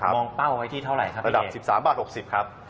มองเป้าไว้ที่เท่าไหร่ครับพี่เดชน์ระดับ๑๓๖๐บาทครับ